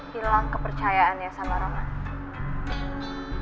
hilang kepercayaan ya sama rufus